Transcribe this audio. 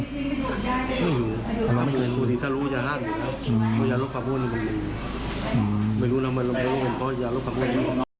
ไม่รู้ถ้ารู้จะห้ามอยู่นะอืมไม่รู้นะไม่รู้เป็นเพราะยาลดความอ้วน